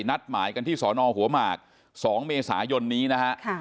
นัดหมายกันที่ส๑๗๕ขัวมากสองเมศรายนนี้นะฮะค่ะ